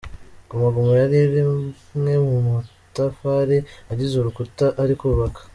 Guma Guma yari rimwe mu matafari agize urukuta ari kubaka.